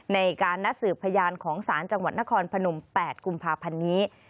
ในการนัดสืบพยานของศาลจังหวัดนครพนม๘กุมภาพันธ์นี้